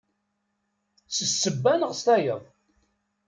S ssebba neɣ s tayeḍ.